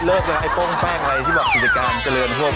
เลิกเลยไอ้ป้องแป้งไว้ที่บอกสุจริงการเจริญหวบ